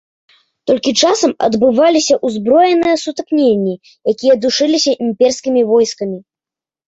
Толькі часам адбываліся ўзброеныя сутыкненні, якія душыліся імперскімі войскамі.